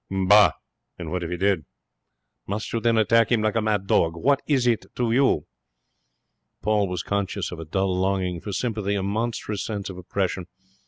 'Bah! And what if he did? Must you then attack him like a mad dog? What is it to you?' Paul was conscious of a dull longing for sympathy, a monstrous sense of oppression.